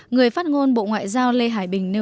người phát ngôn bộ ngoại giao lê hải bình nêu rõ